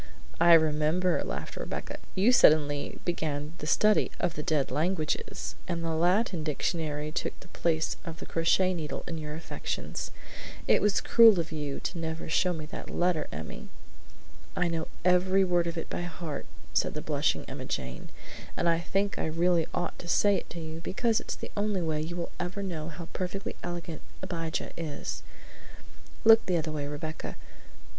"I remember," laughed Rebecca. "You suddenly began the study of the dead languages, and the Latin dictionary took the place of the crochet needle in your affections. It was cruel of you never to show me that letter, Emmy!" "I know every word of it by heart," said the blushing Emma Jane, "and I think I really ought to say it to you, because it's the only way you will ever know how perfectly elegant Abijah is. Look the other way, Rebecca.